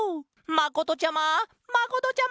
まことちゃま！